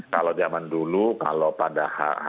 kalau zaman dulu kalau pada